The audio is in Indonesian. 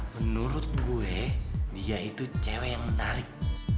menurut gue dia itu cewek yang menarik